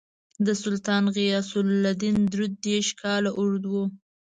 د سلطان غیاث الدین سلطنت درې دېرش کاله اوږد و.